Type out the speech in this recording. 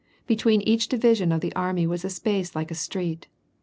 Between each division of the army was a space like a street.